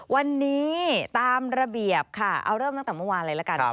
วันนี้ตามระเบียบค่ะเอาเริ่มตั้งแต่เมื่อวานเลยละกัน